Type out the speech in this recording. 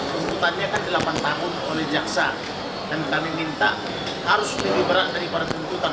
tuntutannya kan delapan tahun oleh jaksa dan kami minta harus lebih berat daripada tuntutan